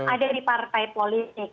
ada di partai politik